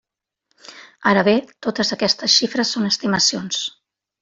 Ara bé, totes aquestes xifres són estimacions.